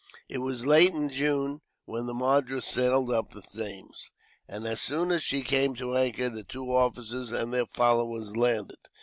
It was late in June when the Madras sailed up the Thames; and, as soon as she came to anchor, the two officers and their followers landed.